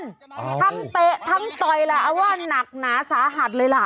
ทั้งเตะทั้งต่อยล่ะเอาว่านักหนาสาหัสเลยล่ะ